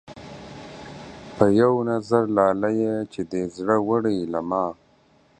پۀ يو نظر لاليه چې دې زړۀ وړے له ما